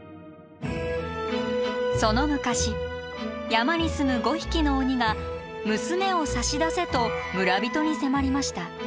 その昔山に住む５匹の鬼が「娘を差し出せ」と村人に迫りました。